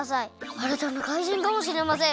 あらたなかいじんかもしれません！